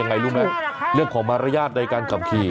อ่ะลูกแม่เรื่องขอมารยาทใดการกลับขี่